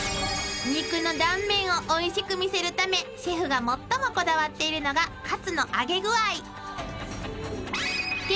［肉の断面をおいしく見せるためシェフが最もこだわっているのがカツの揚げ具合］